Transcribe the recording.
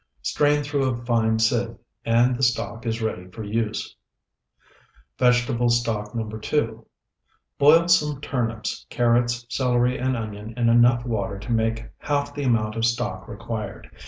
Strain through a fine sieve, and the stock is ready for use. VEGETABLE STOCK NO. 2 Boil some turnips, carrots, celery, and onions in enough water to make half the amount of stock required.